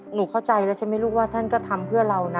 เข้าใจแล้วใช่ไหมลูกว่าท่านก็ทำเพื่อเรานะ